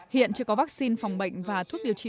hiện chưa có vaccine phòng bệnh và thuốc điều trị